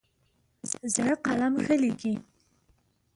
زړه قلم ښه لیکي.